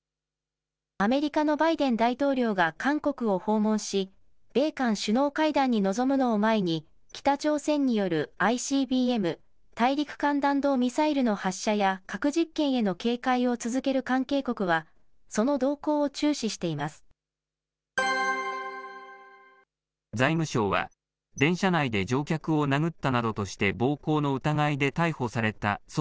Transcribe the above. アメリカのバイデン大統領が韓国を訪問し、米韓首脳会談に臨むのを前に北朝鮮によるＩＣＢＭ・大陸間弾道ミサイルの発射や核実験への警戒を続ける関係国は、その動向を注視財務省は、電車内で乗客を殴ったなどとして暴行の疑いで逮捕された総括